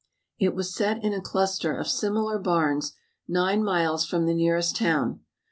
It was set in a cluster of similar barns nine miles from the nearest town.